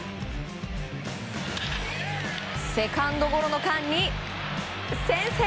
セカンドゴロの間に先制！